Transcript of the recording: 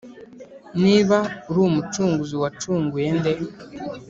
Niba uli umucunguzi wacunguye nde